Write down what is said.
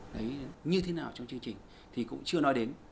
đấy như thế nào trong chương trình thì cũng chưa nói đến